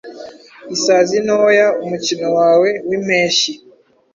Isazi Ntoya, Umukino wawe wimpeshyi